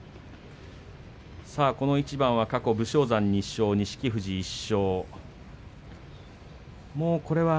この一番は過去、武将山１勝錦富士１勝。